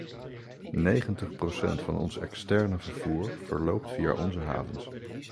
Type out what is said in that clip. Negentig procent van ons externe vervoer verloopt via onze havens.